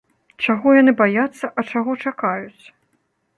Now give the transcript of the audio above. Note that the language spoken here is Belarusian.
Чаго яны баяцца, а чаго чакаюць?